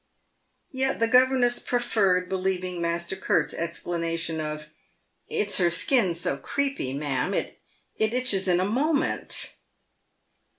Yet the governess preferred believing Master Curt's explanation of "It's her skin's so creepy, ma'am. It itches in a moment."